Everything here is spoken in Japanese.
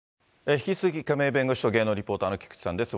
引き続き、亀井弁護士と芸能リポーターの菊池さんです。